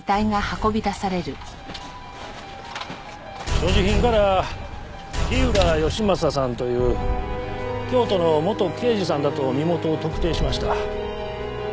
所持品から火浦義正さんという京都の元刑事さんだと身元を特定しました。